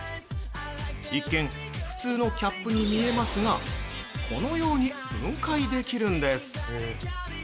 一見、普通のキャップに見えますがこのように分解できるんです。